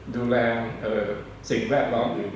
ดูแลสิ่งแวดล้อมอยู่